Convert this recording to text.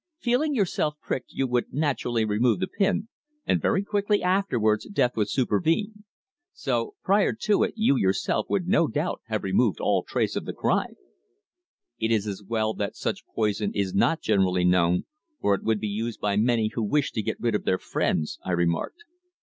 "Feeling yourself pricked you would naturally remove the pin and very quickly afterwards death would supervene. So prior to it you yourself would no doubt have removed all trace of the crime!" "It is as well that such poison is not generally known, or it would be used by many who wished to get rid of their friends," I remarked.